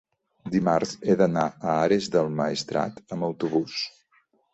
Dimarts he d'anar a Ares del Maestrat amb autobús.